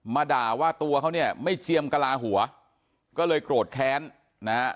มาด่าว่าตัวเขาเนี่ยไม่เจียมกระลาหัวก็เลยโกรธแค้นนะฮะ